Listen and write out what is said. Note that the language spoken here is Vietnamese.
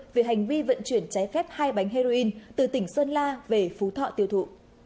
về hành vi vận chuyển trái phép hai bánh heroin từ tỉnh sơn la về phú thọ tiêu thụ